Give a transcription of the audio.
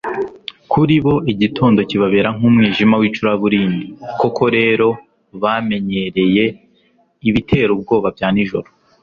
kuri bo igitondo kibabera nk'umwijima w'icuraburindi, koko rero bamenyereye ibitera ubwoba bya nijoro